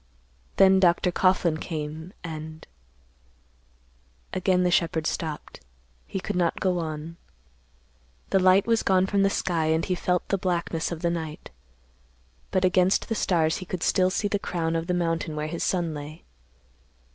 Then Dr. Coughlan came, and—" Again the shepherd stopped. He could not go on. The light was gone from the sky and he felt the blackness of the night. But against the stars he could still see the crown of the mountain where his son lay.